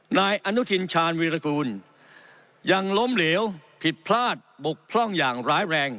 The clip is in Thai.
นายอนุทินชาญวีรกูลยังล้มเหลวผิดพลาดบกพร่องอย่างร้ายแรง